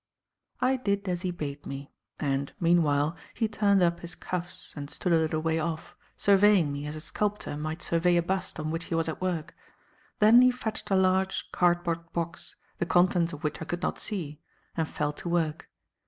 I did as he bade me, and, meanwhile, he turned up his cuffs and stood a little way off, surveying me as a sculptor might survey a bust on which he was at work. Then he fetched a large cardboard box, the contents of which I could not see, and fell to work.